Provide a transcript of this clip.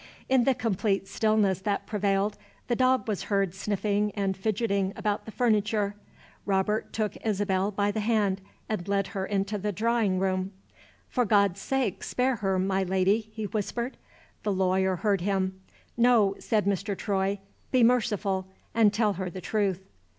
In the complete stillness that prevailed, the dog was heard sniffing and fidgeting about the furniture. Robert took Isabel by the hand and led her into the drawing room. "For God's sake, spare her, my Lady!" he whispered. The lawyer heard him. "No," said Mr. Troy. "Be merciful, and tell her the truth!"